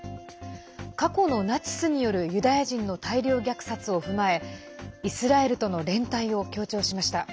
過去の、ナチスによるユダヤ人の大量虐殺を踏まえイスラエルとの連帯を強調しました。